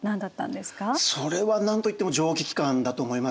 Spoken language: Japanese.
それは何と言っても蒸気機関だと思います。